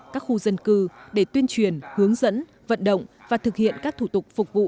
các khu dân cư để tuyên truyền hướng dẫn vận động và thực hiện các thủ tục phục vụ